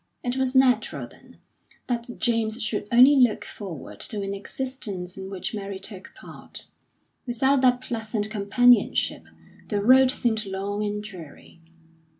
It was natural, then, that James should only look forward to an existence in which Mary took part; without that pleasant companionship the road seemed long and dreary.